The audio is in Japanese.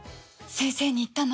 先生に言ったの？